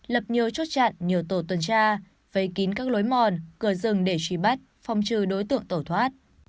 lập nhiều chốt chặn nhiều tổ tuần tra vây kín các lối mòn cửa rừng để truy bắt phong trừ đối tượng tổ thoát